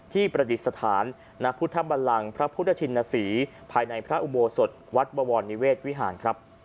ประดิษฐานณพุทธบันลังพระพุทธชินศรีภายในพระอุโบสถวัดบวรนิเวศวิหารครับ